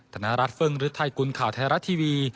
ธนรัฐเฟิงหรือไทยกุลข่าวไทยรัฐทีวี